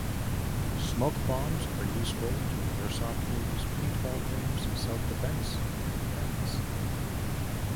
Smoke bombs are useful to airsoft games, paintball games, self-defense and pranks.